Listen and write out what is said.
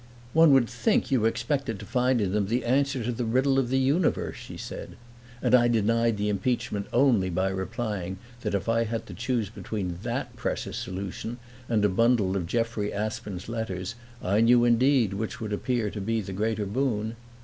"One would think you expected to find in them the answer to the riddle of the universe," she said; and I denied the impeachment only by replying that if I had to choose between that precious solution and a bundle of Jeffrey Aspern's letters I knew indeed which would appear to me the greater boon.